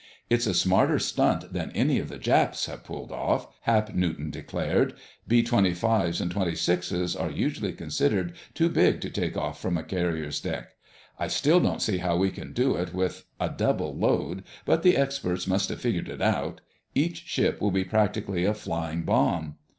"It's a smarter stunt than any of the Japs have pulled off," Hap Newton declared. "B 25's and 26's are usually considered too big to take off from a carrier's deck. I still don't see how we can do it with a double load, but the experts must have figured it out. Each ship will be practically a flying bomb."